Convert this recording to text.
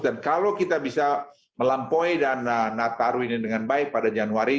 dan kalau kita bisa melampaui dan menataruhi ini dengan baik pada januari